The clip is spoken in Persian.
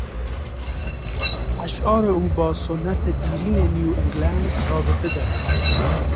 اشعار او با سنت دیرین نیوانگلاند رابطه دارد.